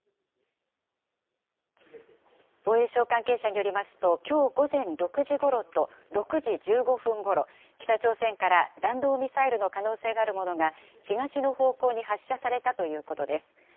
防衛省関係者によりますと、きょう午前６時ごろと６時１５分ごろ、北朝鮮から弾道ミサイルの可能性があるものが、東の方向に発射されたということです。